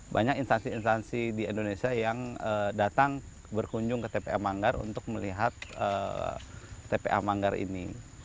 banyak instansi instansi di indonesia yang datang berkunjung ke tpa manggar untuk melihat tpa manggar ini